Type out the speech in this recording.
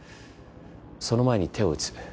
その前に手を打つ。